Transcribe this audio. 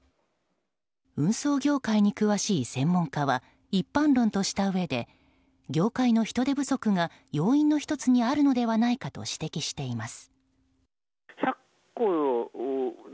運送業界に詳しい専門家は一般論としたうえで業界の人手不足が要因の１つにあるのではないかと指摘しています。